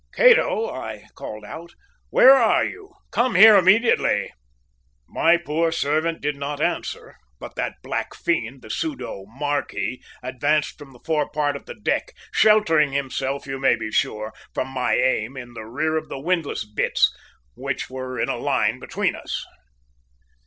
"`Cato!' I called out, `where are you? Come here immediately!' "My poor servant did not answer, but that black fiend, the pseudo `marquis' advanced from the forepart of the deck, sheltering himself, you may be sure, from my aim in the rear of the windlass bitts, which were in a line between us.